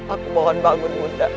aku mohon bangun bunda